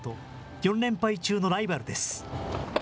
４連敗中のライバルです。